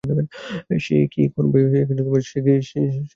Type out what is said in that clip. সে কী করবে জানো?